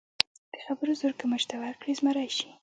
د خبرو زور که مچ ته ورکړې، زمری شي.